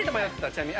ちなみに。